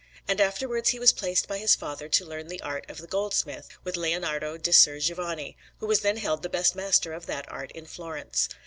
And afterwards he was placed by his father to learn the art of the goldsmith with Leonardo di Ser Giovanni, who was then held the best master of that art in Florence.